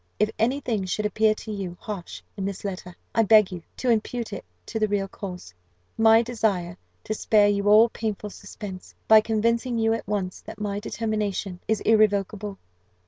If any thing should appear to you harsh in this letter, I beg you to impute it to the real cause my desire to spare you all painful suspense, by convincing you at once that my determination is irrevocable.